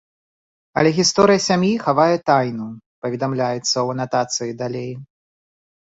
Але гісторыя сям'і хавае тайну, паведамляецца ў анатацыі далей.